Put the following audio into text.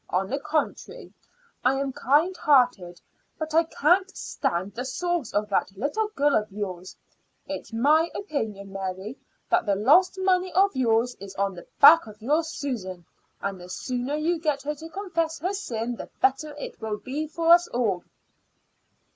On the contrary, I am kind hearted; but I can't stand the sauce of that little girl of yours. It's my opinion, Mary, that the lost money of yours is on the back of your Susan, and the sooner you get her to confess her sin the better it will be for us all."